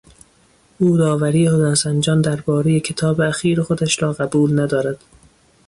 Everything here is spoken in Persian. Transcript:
او داوری هنرسنجان دربارهی کتاب اخیر خودش را قبول ندارد.